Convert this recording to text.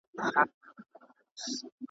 لمن له کاڼو ډکه وړي اسمان په باور نه دی .